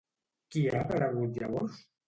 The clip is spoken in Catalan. Qui ha aparegut llavors?